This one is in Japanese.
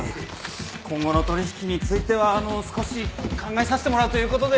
今後の取引についてはあの少し考えさせてもらうということでね。